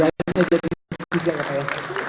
kayaknya jadi tiga kata ya